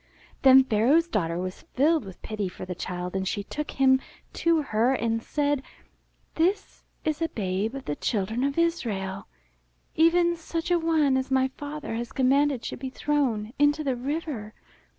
Then Pharaoh's daughter was filled with pity for the child, and she took him to her and said, This is a babe of the Children of Israel, even such a one as my father has commanded should be thrown into the river."